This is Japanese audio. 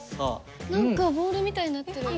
何かボールみたいになってる。